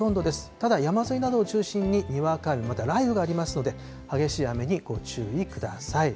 ただ、山沿いなどを中心ににわか雨、また雷雨がありますので、激しい雨にご注意ください。